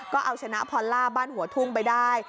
ก็เอาชนะพอลล่าบ้านหัวทุ่งไปได้